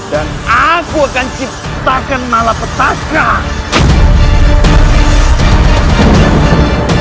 dan aku akan ciptakan malapetaka